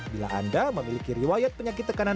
bila anda memiliki riwayat penyakit tekanan